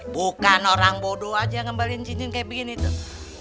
bukan orang bodoh aja ngembalin cincin kayak begini tuh